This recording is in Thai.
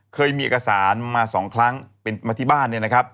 เคยมีเอกสารมา๒ครั้งมาที่บ้าน